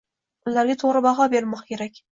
Ularga to’g’ri baho bermoq kerak.